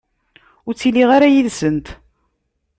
Ur ttiliɣ ara yid-sent.